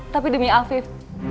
tapi demi afif